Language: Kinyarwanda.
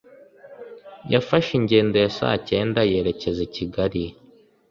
yafashe ingendo ya saa cyenda yerekeza i kigali